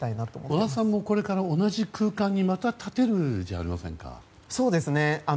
織田さんもこれから同じ空間にまた立てるんじゃないんですか？